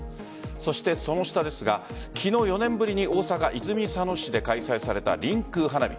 そして、その下ですが昨日４年ぶりに大阪・泉佐野市で開催されたりんくう花火。